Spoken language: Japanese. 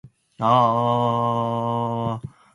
私は大砲です。